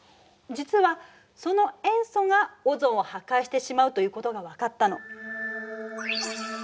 実はその塩素がオゾンを破壊してしまうということが分かったの。